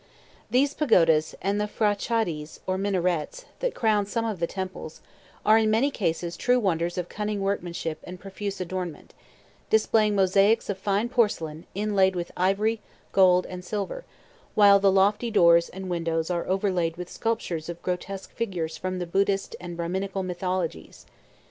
These pagodas, and the p'hra cha dees, or minarets, that crown some of the temples, are in many cases true wonders of cunning workmanship and profuse adornment displaying mosaics of fine porcelain, inlaid with ivory, gold, and silver, while the lofty doors and windows are overlaid with sculptures of grotesque figures from the Buddhist and Brahminical mythologies.